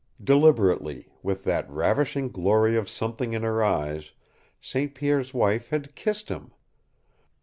Deliberately with that ravishing glory of something in her eyes St. Pierre's wife had kissed him!